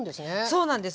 そうなんです。